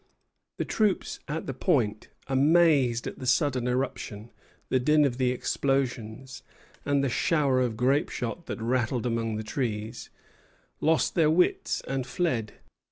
The troops at the Point, amazed at the sudden eruption, the din of the explosions, and the showers of grapeshot that rattled among the trees, lost their wits and fled.